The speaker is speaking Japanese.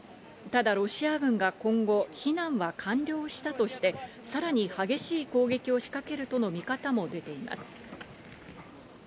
ただ、ロシア軍が今後避難は完了したとして、さらに激しい攻撃を仕掛けるとの見方も出ています。